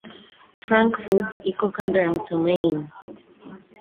Frankfurt iko kando la mto Main.